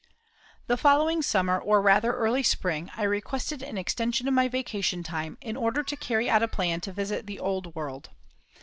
The following summer, or rather early spring, I requested an extension of my vacation time, in order to carry out a plan to visit the "Old World."